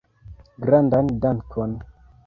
Grandan dankon!